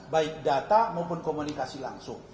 baik data maupun komunikasi langsung